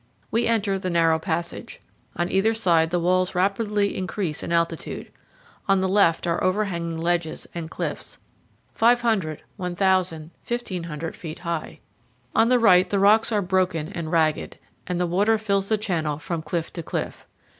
We enter the narrow passage. On either side the walls rapidly increase in altitude. On the left are overhanging ledges and cliffs, 500, 1,000, 1,500 feet high. On the right the rocks are broken and ragged, and the water fills the channel from cliff to cliff.